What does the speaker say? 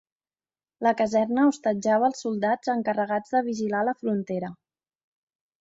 La caserna hostatjava els soldats encarregats de vigilar la frontera.